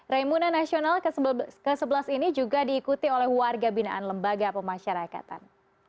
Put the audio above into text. raimuna nasional ke sebelas ini juga diikuti oleh warga binaan lembaga pemasyarakatan